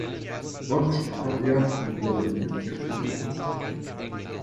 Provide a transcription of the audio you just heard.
Dort starb er und wurde an der Kirche bestattet.